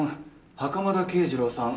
袴田啓二郎さん。